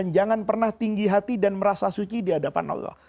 jangan pernah tinggi hati dan merasa suci di hadapan allah